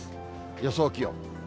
予想気温。